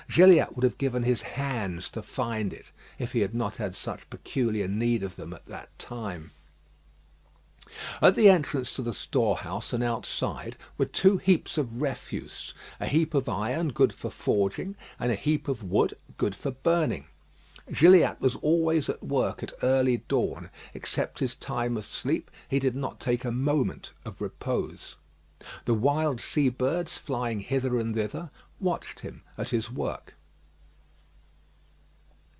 Gilliatt would have given his hands to find it if he had not had such peculiar need of them at that time. At the entrance to the storehouse and outside were two heaps of refuse a heap of iron good for forging, and a heap of wood good for burning. Gilliatt was always at work at early dawn. Except his time of sleep, he did not take a moment of repose. The wild sea birds, flying hither and thither, watched him at his work.